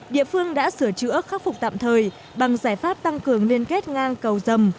địa phương đã sửa chữa khắc phục tạm thời bằng giải pháp tăng cường liên kết ngang cầu dầm